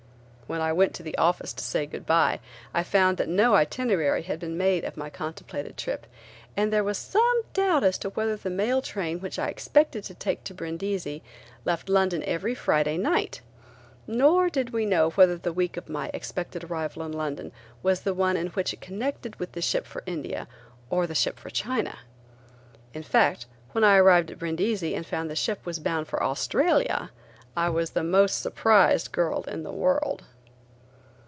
When I went to the office to say good bye, I found that no itinerary had been made of my contemplated trip and there was some doubt as to whether the mail train which I expected to take to Brindisi, left London every Friday night. Nor did we know whether the week of my expected arrival in London was the one in which it connected with the ship for India or the ship for China. In fact when I arrived at Brindisi and found the ship was bound for Australia, I was the most surprised girl in the world.